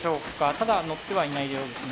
ただのってはいないようですね。